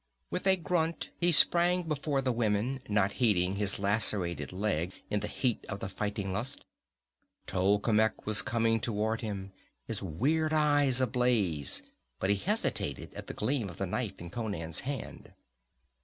With a grunt he sprang before the women, not heeding his lacerated leg in the heat of the fighting lust. Tolkemec was coming toward him, his weird eyes ablaze, but he hesitated at the gleam of the knife in Conan's hand.